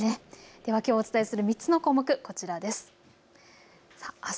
ではきょうお伝えする３つの項目こちらです。